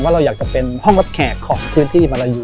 เราอยากจะเป็นห้องรับแขกของพื้นที่มารยู